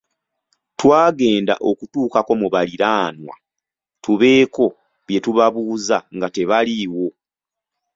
Twagenda okutuukako mu baliraanwa tubeeko bye tubabuuza nga tebaliiwo.